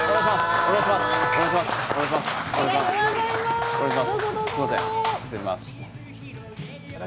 お願いします。